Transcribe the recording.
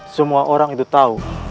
semua orang itu tahu